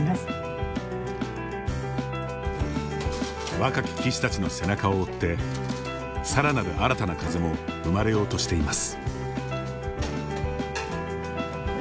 若き棋士たちの背中を追ってさらなる新たな風も生まれようとしています。